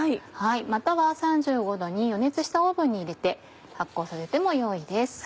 または３５℃に予熱したオーブンに入れて発酵させてもよいです。